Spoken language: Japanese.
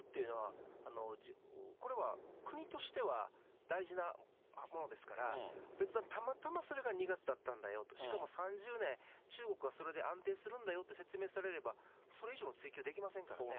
エネルギーの安定的な供給っていうのは、これは国としては大事なものですから、別段、たまたまそれが２月だったんだよと、しかも３０年、中国はそれで安定するんだよって説明されれば、そうなんですよね。